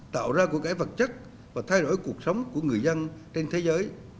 tạo ra của cái vật chất và thay đổi cuộc sống của người dân trên thế giới